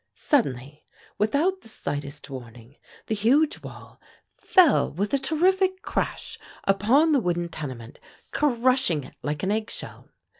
Suddenly, without the slightest warning, the huge wall fell with a terrific crash upon the wooden tenement, crushing it like an egg shell.